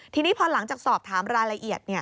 ทีนี้พอหลังจากสอบถามรายละเอียด